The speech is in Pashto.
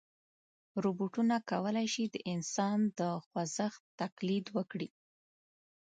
روبوټونه کولی شي د انسان د خوځښت تقلید وکړي.